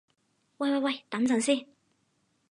喂喂喂，等陣先